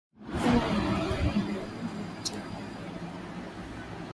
mkopo huo unahiji mteja awe na dhamana